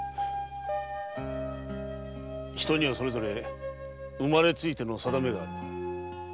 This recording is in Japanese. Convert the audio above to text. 人にはそれぞれ生まれついての運命がある。